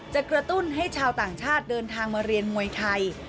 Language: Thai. กระตุ้นให้ชาวต่างชาติเดินทางมาเรียนมวยไทย